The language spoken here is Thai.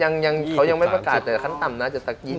ยังยังเขายังไม่ประกาศแต่ขั้นต่ำน่าจะสัก๒๐ล้าน